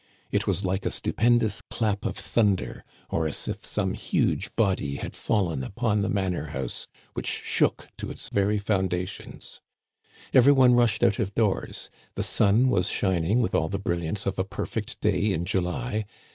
It was like a stupend Digitized by VjOOQIC 1 58 'THE CANADIANS OF OLD. ous clap of thunder, or as if some huge body had fallen upon the manor house, which shook to its very foundations. Every one rushed out of doors. The sun was shining with all the brilliance of a perfect day in July.